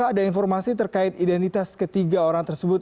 ada informasi terkait identitas ketiga orang tersebut